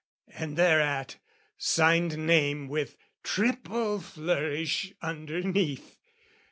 and thereat Signed name with triple flourish underneath.